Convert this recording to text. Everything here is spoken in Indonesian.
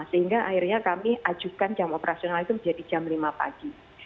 sehingga akhirnya kami ajukan jam operasional itu menjadi jam lima pagi